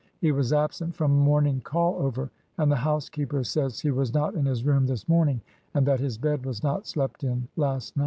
He was absent from morning call over. And the house keeper says he was not in his room this morning, and that his bed was not slept in last night."